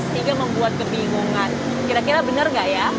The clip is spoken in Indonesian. sehingga membuat kebingungan kira kira benar nggak ya